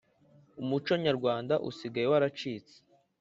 Umuco nyarwanda usigaye waracitse